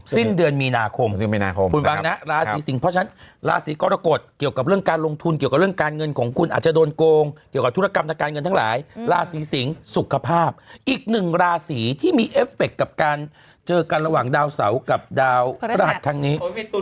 สิ้นเดือนมีนาคมคุณฟังนะราศีสิงเพราะฉะนั้นราศีกรกฎเกี่ยวกับเรื่องการลงทุนเกี่ยวกับเรื่องการเงินของคุณอาจจะโดนโกงเกี่ยวกับธุรกรรมทางการเงินทั้งหลายราศีสิงศ์สุขภาพอีกหนึ่งราศีที่มีเอฟเฟคกับการเจอกันระหว่างดาวเสากับดาวพระหัสครั้งนี้